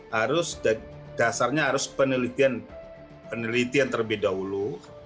harus dasarnya harus penelitian terlebih dahulu